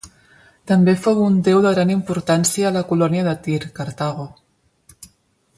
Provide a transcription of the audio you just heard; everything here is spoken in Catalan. També fou un déu de gran importància a la colònia de Tir, Cartago.